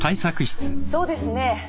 そうですね。